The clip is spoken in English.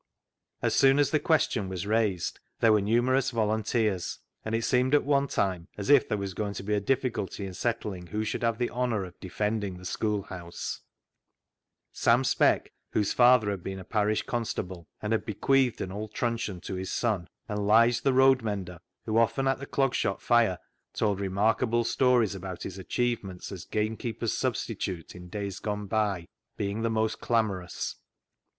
As soon as the question was raised there were numerous volunteers, and it seemed at one time as if there was going to be difficulty in settling who should have the honour of defending the schoolhouse — Sam Speck, whose father had been a parish constable, and had bequeathed an old truncheon to his son, and Lige the road mender, who often at the Clog Shop fire told remarkable stories about his achievements as gamekeeper's substitute in days gone by, being the most clamorous.